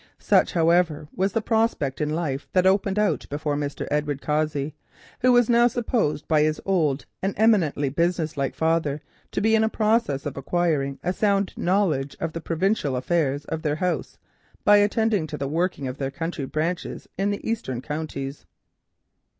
This, however, was the prospect in life that opened out before Mr. Edward Cossey, who was now supposed by his old and eminently business like father to be in process of acquiring a sound knowledge of the provincial affairs of the house by attending to the working of their branch establishments in the Eastern counties.